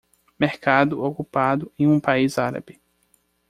Mercado ocupado em um país árabe.